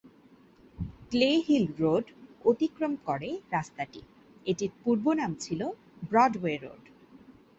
Clay Hill Road অতিক্রম করে রাস্তাটি, এটির পূর্বনাম ছিল ব্রডওয়ে রোড।